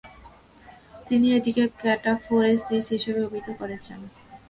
তিনি এটিকে ক্যাটাফোরেসিস হিসাবে অভিহিত করেছেন।